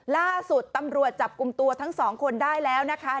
ล่าสุดตำรวจจับกลุ่มตัวทั้งสองคนได้แล้วนะคะ